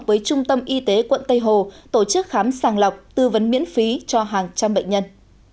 với trung tâm y tế quận tây hồ tổ chức khám sàng lọc tư vấn miễn phí cho hàng trăm bệnh nhân